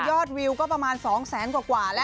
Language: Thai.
ยอดวิวก็ประมาณ๒๐๐๐๐๐กว่าแล้ว